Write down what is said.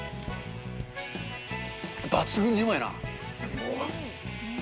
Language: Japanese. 抜群にうまいな。